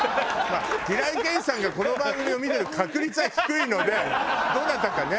まあ平井堅さんがこの番組を見てる確率は低いのでどなたかね